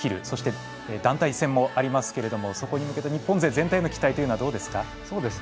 そして、団体戦もありますけどそこに向けて日本勢全体への期待というのはどうですか？